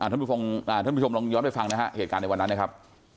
ท่านผู้ชมลองย้อนไปฟังนะฮะเหตุการณ์ในวันนั้นนะครับ